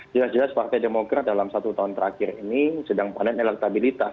jelas jelas partai demokrat dalam satu tahun terakhir ini sedang panen elektabilitas